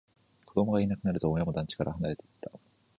子供がいなくなると、親も団地から離れていった